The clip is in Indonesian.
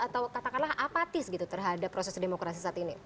atau katakanlah apatis gitu terhadap proses demokrasi saat ini